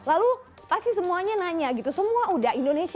apa yang terjadi